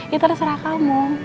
ya terserah kamu